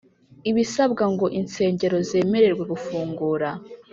ibisabwa ngo insengero zemererwe gufungura.